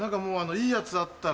いいやつあったら。